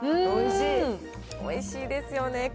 おいしいですよね。